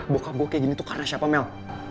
boka gue kayak gini tuh karena siapa mel